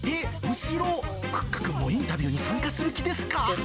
後ろ、クッカくんもインタビューに参加する気ですか？